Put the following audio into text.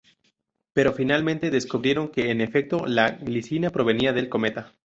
Pero, finalmente, descubrieron que, en efecto, la glicina provenía del cometa.